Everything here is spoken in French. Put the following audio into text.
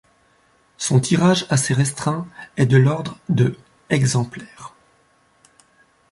Son tirage assez restreint est de l'ordre de exemplaires.